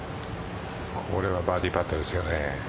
これはバーディーパットですよね。